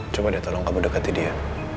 coba deh tolong kamu dekati dia